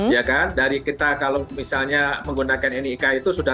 ya kan dari kita kalau misalnya menggunakan nik itu sudah